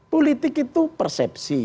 politik itu persepsi